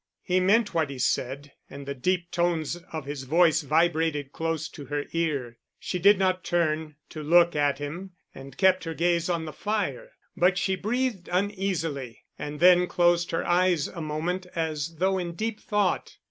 He meant what he said and the deep tones of his voice vibrated close to her ear. She did not turn to look at him and kept her gaze on the fire, but she breathed uneasily and then closed her eyes a moment as though in deep thought.